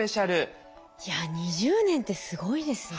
いや２０年ってすごいですね。